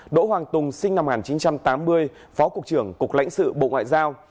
đỗ hoàng tùng sinh năm một nghìn chín trăm tám mươi phó cục trưởng cục lãnh sự bộ ngoại giao